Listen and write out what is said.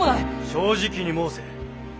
正直に申せ。